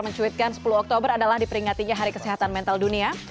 mencuitkan sepuluh oktober adalah diperingatinya hari kesehatan mental dunia